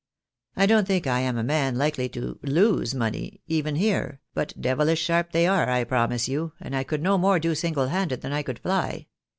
I don't think I am a man likely to lose money, even here, but devihsh sharp they are, I promise you, and I could no more do single handed than I could fly.